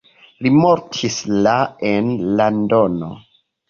Li mortis la en Londono.